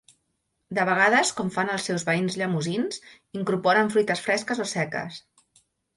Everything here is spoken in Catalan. De vegades, com fan els seus veïns llemosins, incorporen fruites fresques o seques.